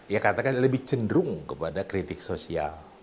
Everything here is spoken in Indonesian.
ya katakan lebih cenderung kepada kritik sosial